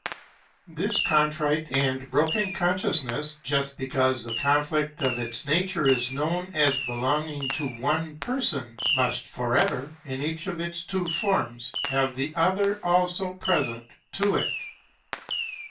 This Contrite and Broken Consciousness, just because the conflict of its Nature is known as belonging to one person, must forever, in each of its two forms, have the other also present to it.